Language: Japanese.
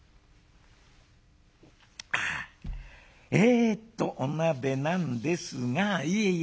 「えっとお鍋なんですがいえいえ